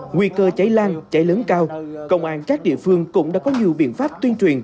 nguy cơ cháy lan cháy lớn cao công an các địa phương cũng đã có nhiều biện pháp tuyên truyền